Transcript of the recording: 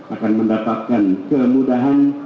akan mendapatkan kemudahan